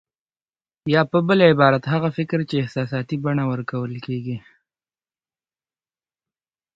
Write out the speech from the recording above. يا په بل عبارت هغه فکر چې احساساتي بڼه ورکول کېږي.